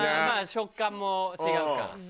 まあ食感も違うか。